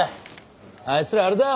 あいつらあれだよ